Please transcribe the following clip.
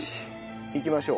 いきましょう。